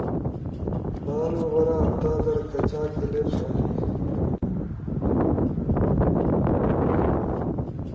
لالو غورا! ہفتہ در کچاک کلپس ہنی؟